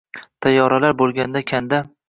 Tayyoralar boʼlganda kanda